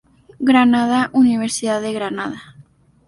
Granada: Universidad de Granada.